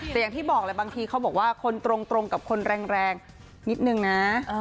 แต่อย่างที่บอกแหละบางทีเขาบอกว่าคนตรงกับคนแรงนิดนึงนะ